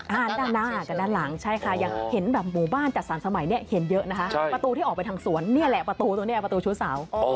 ด้านหน้ากับด้านหลังใช่ค่ะยังเห็นแบบหมู่บ้านจัดสรรสมัยเนี่ยเห็นเยอะนะคะประตูที่ออกไปทางสวนนี่แหละประตูตรงนี้ประตูชู้สาว